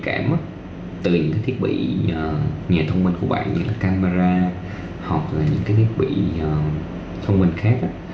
từ những cái thiết bị nhà thông minh của bạn như là camera hoặc là những cái thiết bị thông minh khác